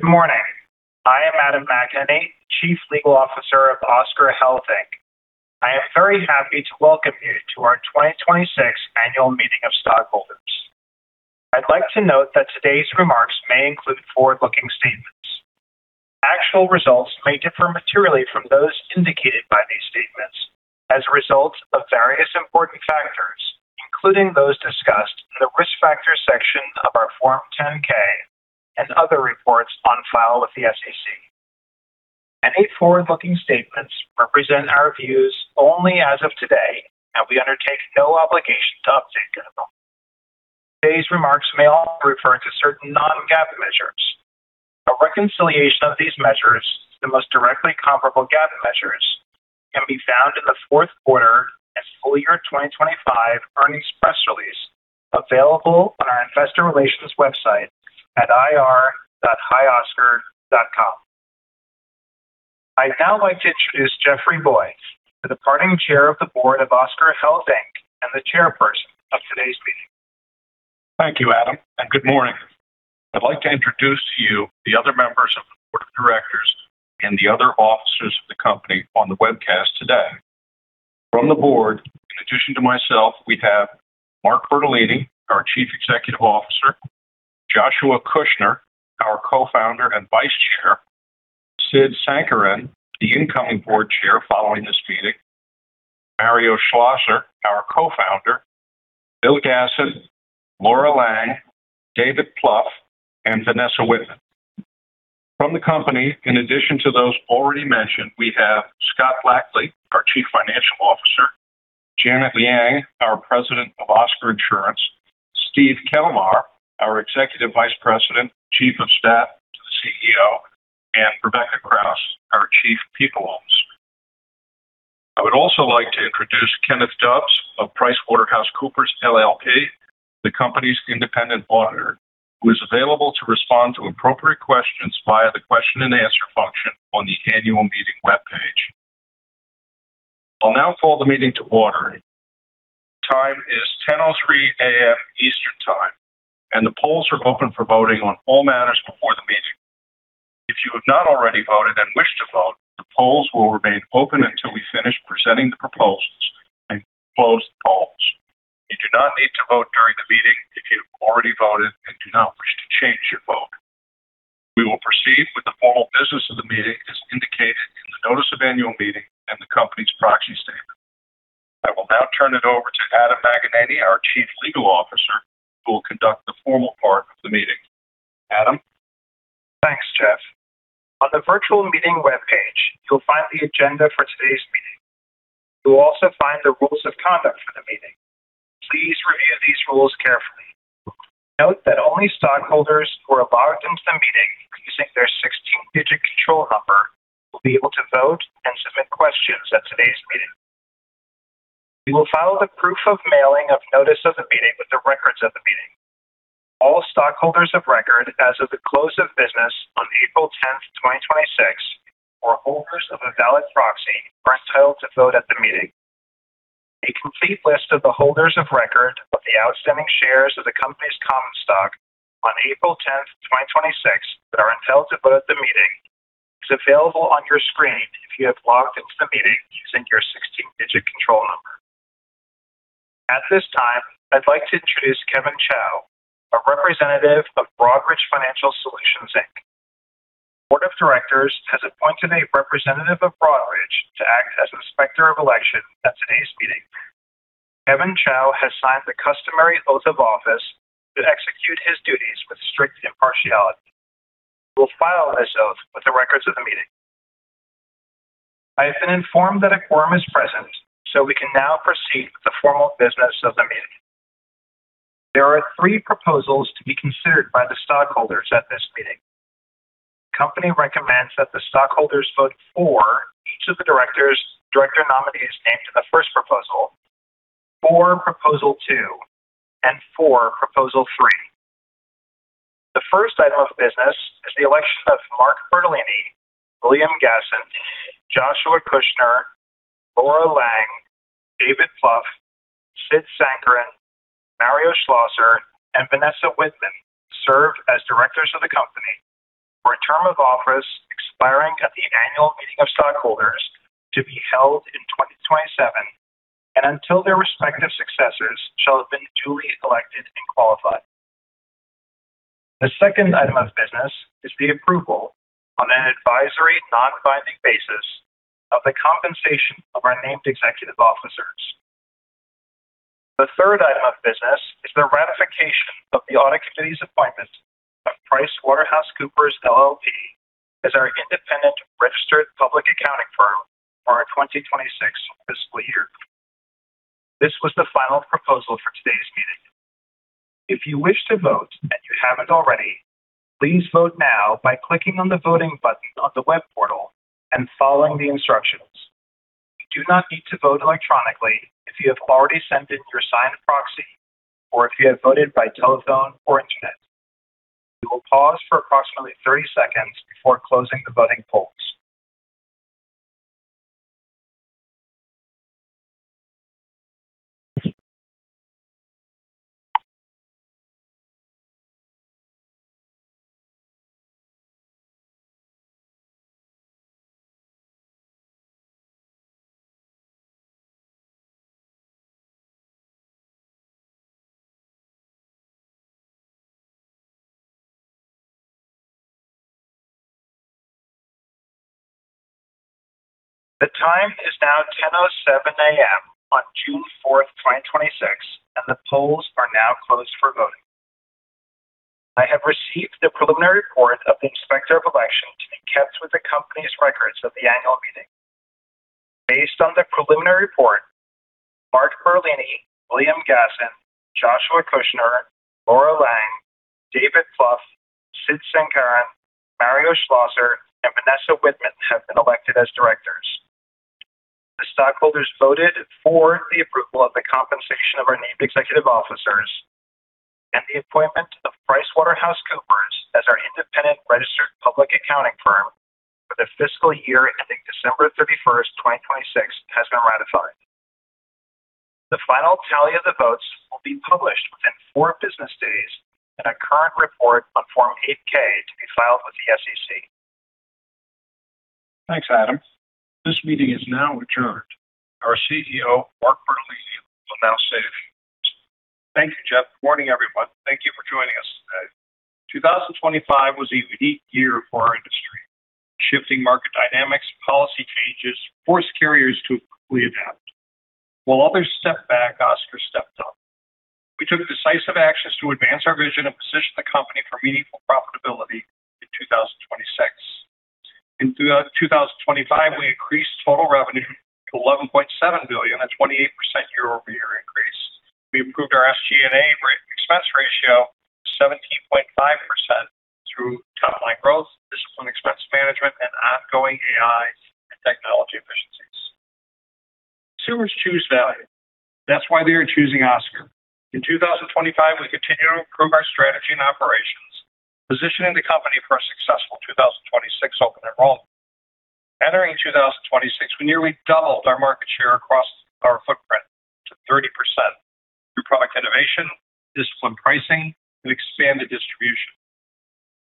Good morning. I am Adam McAnaney, Chief Legal Officer of Oscar Health, Inc. I am very happy to welcome you to our 2026 Annual Meeting of Stockholders. I'd like to note that today's remarks may include forward-looking statements. Actual results may differ materially from those indicated by these statements as a result of various important factors, including those discussed in the Risk Factors section of our Form 10-K and other reports on file with the SEC. Any forward-looking statements represent our views only as of today, and we undertake no obligation to update them. Today's remarks may also refer to certain non-GAAP measures. A reconciliation of these measures to the most directly comparable GAAP measures can be found in the fourth quarter and full year 2025 earnings press release available on our investor relations website at ir.hioscar.com. I'd now like to introduce Jeffery Boyd, the departing Chair of the Board of Oscar Health, Inc. and the Chairperson of today's meeting. Thank you, Adam, and good morning. I'd like to introduce to you the other members of the Board of Directors and the other officers of the company on the webcast today. From the Board, in addition to myself, we have Mark Bertolini, our Chief Executive Officer, Joshua Kushner, our Co-founder and Vice Chair, Sid Sankaran, the incoming Board Chair following this meeting, Mario Schlosser, our Co-founder, Bill Gassen, Laura Lang, David Plouffe, and Vanessa Wittman. From the company, in addition to those already mentioned, we have Scott Blackley, our Chief Financial Officer, Janet Liang, our President of Oscar Insurance, Steve Kelmar, our Executive Vice President, Chief of Staff to the CEO, and Rebecca Krouse, our Chief People Officer. I would also like to introduce Kenneth Dubbs of PricewaterhouseCoopers LLP, the company's independent auditor, who is available to respond to appropriate questions via the question and answer function on the annual meeting webpage. I'll now call the meeting to order. The time is 10:03 AM Eastern Time, and the polls are open for voting on all matters before the meeting. If you have not already voted and wish to vote, the polls will remain open until we finish presenting the proposals and close the polls. You do not need to vote during the meeting if you have already voted and do not wish to change your vote. We will proceed with the formal business of the meeting as indicated in the notice of annual meeting and the company's proxy statement. I will now turn it over to Adam McAnaney, our Chief Legal Officer, who will conduct the formal part of the meeting. Adam? Thanks, Jeff. On the virtual meeting webpage, you'll find the agenda for today's meeting. You'll also find the rules of conduct for the meeting. Please review these rules carefully. Note that only stockholders who are logged into the meeting using their 16-digit control number will be able to vote and submit questions at today's meeting. We will file the proof of mailing of notice of the meeting with the records of the meeting. All stockholders of record as of the close of business on April 10th, 2026, or holders of a valid proxy are entitled to vote at the meeting. A complete list of the holders of record of the outstanding shares of the company's common stock on April 10th, 2026, that are entitled to vote at the meeting is available on your screen if you have logged into the meeting using your 16-digit control number. At this time, I'd like to introduce Kevin Chao, a representative of Broadridge Financial Solutions, Inc. The Board of Directors has appointed a representative of Broadridge to act as Inspector of Election at today's meeting. Kevin Chao has signed the customary oath of office to execute his duties with strict impartiality. We'll file this oath with the records of the meeting. I have been informed that a quorum is present, so we can now proceed with the formal business of the meeting. There are three proposals to be considered by the stockholders at this meeting. The company recommends that the stockholders vote for each of the director nominees named in the first proposal, for proposal two, and for proposal three. The first item of business is the election of Mark Bertolini, William Gassen, Joshua Kushner, Laura Lang, David Plouffe, Siddhartha Sankaran, Mario Schlosser, and Vanessa Wittman to serve as directors of the company for a term of office expiring at the annual meeting of stockholders to be held in 2027 and until their respective successors shall have been duly elected and qualified. The second item of business is the approval on an advisory, non-binding basis of the compensation of our named executive officers. The third item of business is the ratification of the Audit Committee's appointment of PricewaterhouseCoopers LLP as our independent registered public accounting firm for our 2026 fiscal year. This was the final proposal for today's meeting. If you wish to vote and you haven't already, please vote now by clicking on the voting button on the web portal and following the instructions. You do not need to vote electronically if you have already sent in your signed proxy or if you have voted by telephone or internet. We will pause for approximately 30 seconds before closing the voting polls. The time is now 10:07 AM on June 4th, 2026, and the polls are now closed for voting. I have received the preliminary report of the Inspector of Election to be kept with the company's records of the annual meeting. Based on the preliminary report, Mark Bertolini, William Gassen, Joshua Kushner, Laura Lang, David Plouffe, Siddhartha Sankaran, Mario Schlosser, and Vanessa Wittman have been elected as directors. The stockholders voted for the approval of the compensation of our named executive officers, and the appointment of PricewaterhouseCoopers as our independent registered public accounting firm for the fiscal year ending December 31st, 2026, has been ratified. The final tally of the votes will be published within four business days in a current report on Form 8-K to be filed with the SEC. Thanks, Adam. This meeting is now adjourned. Our CEO, Mark Bertolini, will now say a few words. Thank you, Jeff. Good morning, everyone. Thank you for joining us today. 2025 was a unique year for our industry. Shifting market dynamics and policy changes forced carriers to quickly adapt. While others stepped back, Oscar stepped up. We took decisive actions to advance our vision and position the company for meaningful profitability in 2026. In 2025, we increased total revenue to $11.7 billion, a 28% year-over-year increase. We improved our SG&A break expense ratio to 17.5% through top-line growth, disciplined expense management, and ongoing AI and technology efficiencies. Consumers choose value. That's why they are choosing Oscar. In 2025, we continued to improve our strategy and operations, positioning the company for a successful 2026 open enrollment. Entering 2026, we nearly doubled our market share across our footprint to 30%, through product innovation, disciplined pricing, and expanded distribution.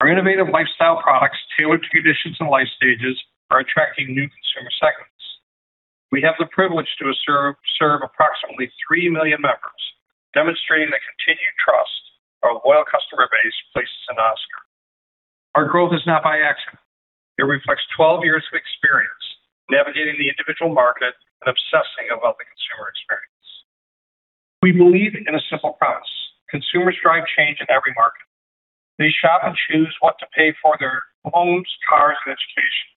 Our innovative lifestyle products tailored to conditions and life stages are attracting new consumer segments. We have the privilege to serve approximately 3 million members, demonstrating the continued trust our loyal customer base places in Oscar. Our growth is not by accident. It reflects 12 years of experience navigating the individual market and obsessing about the consumer experience. We believe in a simple promise. Consumers drive change in every market. They shop and choose what to pay for their homes, cars, and education.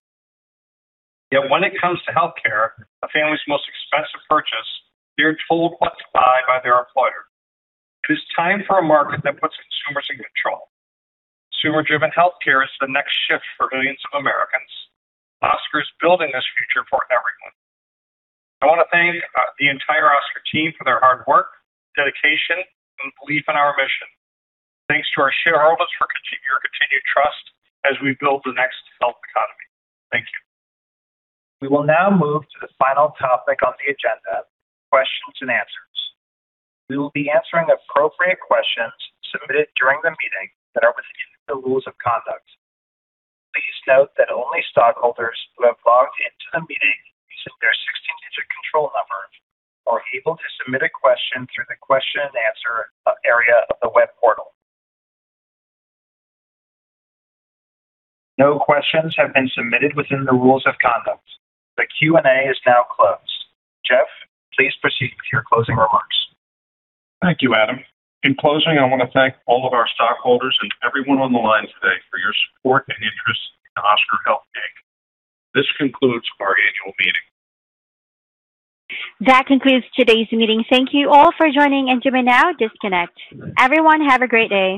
Yet when it comes to healthcare, a family's most expensive purchase, they are told what to buy by their employer. It is time for a market that puts consumers in control. Consumer-driven healthcare is the next shift for millions of Americans. Oscar is building this future for everyone. I want to thank the entire Oscar team for their hard work, dedication, and belief in our mission. Thanks to our shareholders for your continued trust as we build the next health economy. Thank you. We will now move to the final topic on the agenda, questions and answers. We will be answering appropriate questions submitted during the meeting that are within the rules of conduct. Please note that only stockholders who have logged into the meeting using their 16-digit control number are able to submit a question through the question and answer area of the web portal. No questions have been submitted within the rules of conduct. The Q&A is now closed. Jeff, please proceed with your closing remarks. Thank you, Adam. In closing, I want to thank all of our stockholders and everyone on the line today for your support and interest in Oscar Health, Inc. This concludes our annual meeting. That concludes today's meeting. Thank you all for joining, and you may now disconnect. Everyone, have a great day.